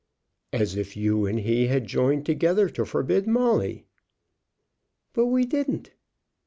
"As if you and he had joined together to forbid Molly." "But we didn't."